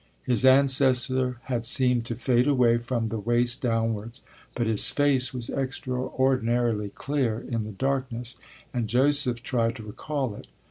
His ancestor had seemed to fade away from the waist downwards, but his face was extraordinarily clear in the darkness, and Joseph tried to recall it.